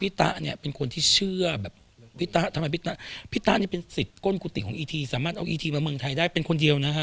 พี่ต้านี่เป็นคนที่เชื่อพี่ต้านี่เป็นศิลป์ข้นกุฏิของเอ